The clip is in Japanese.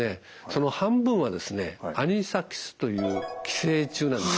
その半分はアニサキスという寄生虫なんですね